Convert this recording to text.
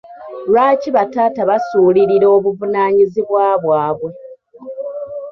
Lwaki bataata basuulirira obuvunaanyizibwa bwabwe.